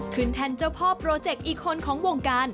ขึ้นแทนเจ้าพ่อโปรเจคอีโคนของวงการ